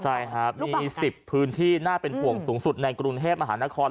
ใช่ครับมี๑๐พื้นที่น่าเป็นห่วงสูงสุดในกรุงเทพมหานคร